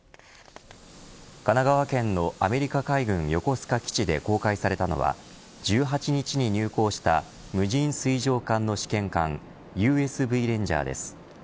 神奈川県のアメリカ海軍横須賀基地で公開されたのは１８日に入港した無人水上艦の試験艦ＵＳＶレンジャーです。